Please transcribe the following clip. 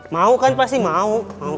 mau kan pasti mau